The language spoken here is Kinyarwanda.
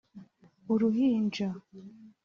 ‘Uruhinja’